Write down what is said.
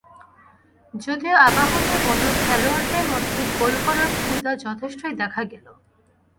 যদিও আবাহনীর অন্য খেলোয়াড়দের মধ্যে গোল করার ক্ষুধা যথেষ্টই দেখা গেল।